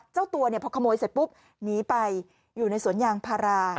เจ้าตัวพอขโมยเสร็จปุ๊บหนีไปอยู่ในสวนยางพารา